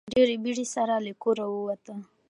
هغه په ډېرې بیړې سره له کوره ووت.